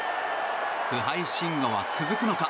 不敗神話は続くのか？